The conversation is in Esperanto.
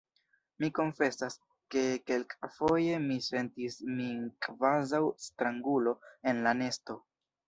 Mi konfesas, ke kelkafoje mi sentis min kvazaŭ strangulo en la nesto.